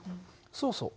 そうそう。